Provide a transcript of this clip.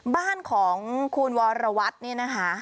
บ้านของคุณวรวัตรเนี่ยนะคะ